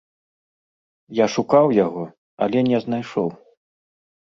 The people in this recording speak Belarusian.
Я шукаў яго, але не знайшоў.